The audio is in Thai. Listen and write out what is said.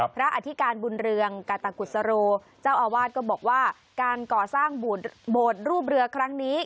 อธิการบุญเรืองกาตกุศโรเจ้าอาวาสก็บอกว่าการก่อสร้างโบสถ์รูปเรือครั้งนี้